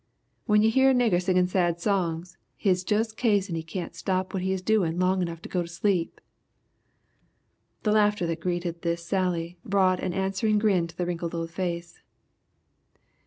"When you hear a nigger singin' sad songs hit's jus' kazen he can't stop what he is doin' long enough to go to sleep!" The laughter that greeted this sally brought an answering grin to the wrinkled old face.